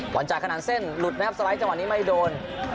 หวันจากขนาดเส้นหลุดสไลท์จังหวัดนี้ไม่โดน